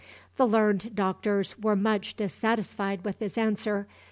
The learned doctors were much dissatisfied with this answer.